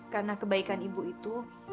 karena kebaikan ibu itu